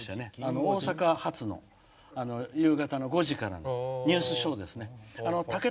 大阪発の、夕方の５時からのニュースショーですね。